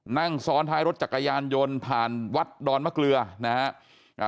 นั่งซ้อนท้ายรถจักรยานยนต์ผ่านวัดดอนมะเกลือนะฮะ